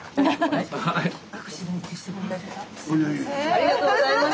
ありがとうございます。